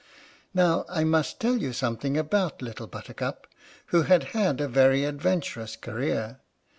Now I must tell you something about Little Buttercup, who had had a very adventurous career.